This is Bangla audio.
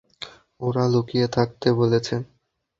ওরা লুকিয়ে থাকতে বলেছে।